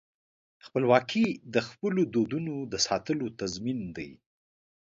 خپلواکي د خپلو دودونو د ساتلو تضمین دی.